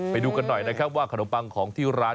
ไปดูกันหน่อยนะครับว่าขนมปังของที่ร้าน